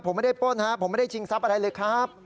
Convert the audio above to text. ผมไม่ได้ป้นครับผมไม่ได้ชิงทรัพย์อะไรเลยครับ